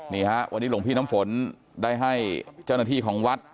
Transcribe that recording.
นี่ฮะวันนี้หลวงพี่น้ำฝนได้ให้เจ้าหน้าที่ของวัด